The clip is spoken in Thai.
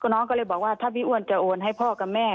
น้องก็เลยบอกว่าถ้าพี่อ้วนจะโอนให้พ่อกับแม่